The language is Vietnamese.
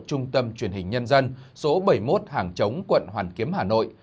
trung tâm truyền hình nhân dân số bảy mươi một hàng chống quận hoàn kiếm hà nội